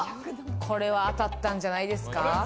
当たったんじゃないですか？